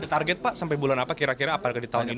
ada target pak sampai bulan apa kira kira apa yang ditawarin